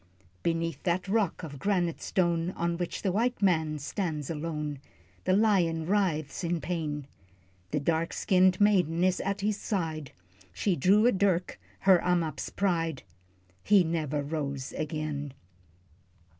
Beneath that rock of granite stone, On which the white man stands alone, The lion writhes in pain. The dark skinned maid is at his side She drew a dirk, her Ammap's pride, He never rose again.